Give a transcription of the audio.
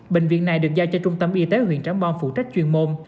bệnh viện này được giao cho trung tâm y tế huyện trắng bom phụ trách chuyên môn